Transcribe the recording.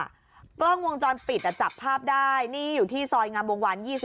กล้องวงจรปิดจับภาพได้นี่อยู่ที่ซอยงามวงวาน๒๐